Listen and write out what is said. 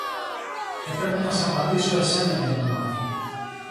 Έπρεπε να σ' απαντήσω εσένα για να το μάθω